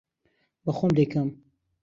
بە خۆم دەیکەم.